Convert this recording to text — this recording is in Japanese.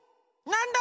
なんだ？